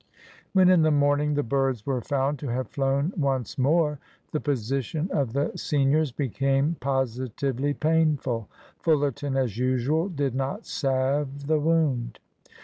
When in the morning the birds were found to have flown once more, the position of the seniors became positively painful. Fullerton, as usual, did not salve the wound.